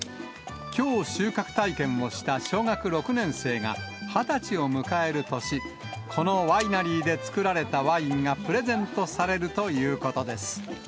きょう収穫体験をした小学６年生が２０歳を迎える年、このワイナリーで作られたワインがプレゼントされるということです。